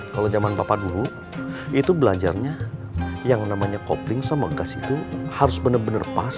kalau zaman bapak dulu itu belajarnya yang namanya kopling sama gas itu harus benar benar pas